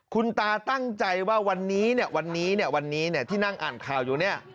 คุณตาตั้งใจว่าวันนี้ที่นั่งอ่านข่าวอยู่เนี่ย